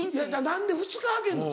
何で２日空けんの？